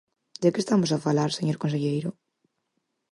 ¿De que estamos a falar, señor conselleiro?